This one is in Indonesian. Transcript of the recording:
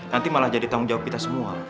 nanti malah jadi tanggung jawab kita semua